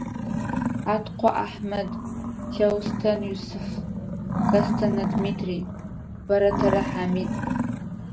Хьаткъо Ахьмэд, Лъэустэн Юсыф, Кэстэнэ Дмитрий, Бэрэтэрэ Хьамид.